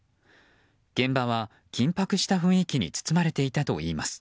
現場は緊迫した雰囲気に包まれていたといいます。